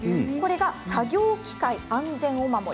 作業機械安全お守り。